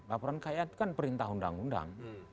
laporan kayak itu kan perintah undang undang